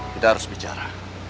kita harus bicara